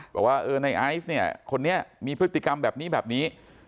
บอกว่าเออในไอซ์เนี่ยคนนี้มีพฤติกรรมแบบนี้แบบนี้